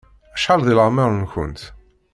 Acḥal di lɛemeṛ-nkent?